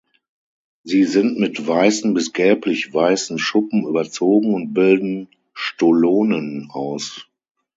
Sie sind mit weißen bis gelblich-weißen Schuppen überzogen und bilden Stolonen aus.